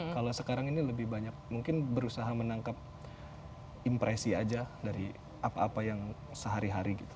kalau sekarang ini lebih banyak mungkin berusaha menangkap impresi aja dari apa apa yang sehari hari gitu